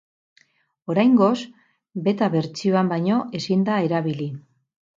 Oraingoz, beta bertsioan baino ezin da erabili.